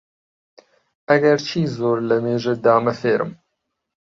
ئەگەرچی زۆر لەمێژە دامە فێرم